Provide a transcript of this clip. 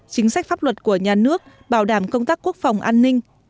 chính sách pháp luật của nhà nước bảo đảm công tác quốc phòng an ninh